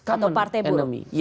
atau partai buruh